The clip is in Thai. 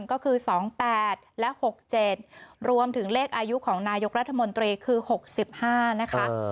ก็คือ๒๘และ๖๗รวมถึงเลขอายุของนายกรัฐมนตรีคือ๖๕นะคะ